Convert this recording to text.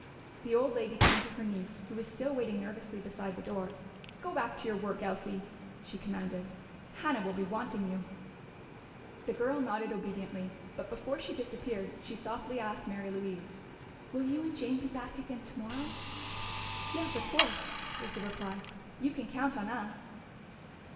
The old lady turned to her niece, who was still waiting nervously beside the door. "Go back to your work, Elsie," she commanded. "Hannah will be wanting you." The girl nodded obediently, but before she disappeared she softly asked Mary Louise, "Will you and Jane be back again tomorrow?" "Yes, of course," was the reply. "You can count on us."